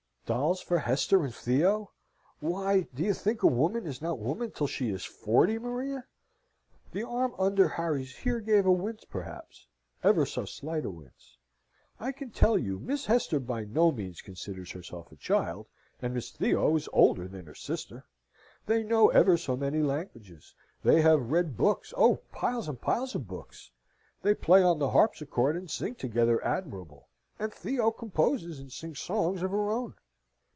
"Dolls for Hester and Theo! Why, do you think a woman is not woman till she is forty, Maria?" (The arm under Harry's here gave a wince perhaps, ever so slight a wince.) "I can tell you Miss Hester by no means considers herself a child, and Miss Theo is older than her sister. They know ever so many languages. They have read books oh! piles and piles of books! They play on the harpsichord and sing together admirable; and Theo composes, and sings songs of her own."